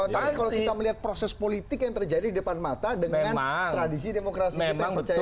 tapi kalau kita melihat proses politik yang terjadi di depan mata dengan tradisi demokrasi kita yang percaya